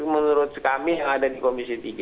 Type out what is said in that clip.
menurut kami yang ada di komisi tiga